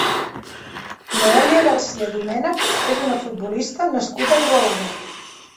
Noelia García Domenech és una futbolista nascuda a Igualada.